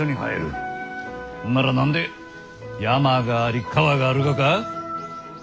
なら何で山があり川があるがか？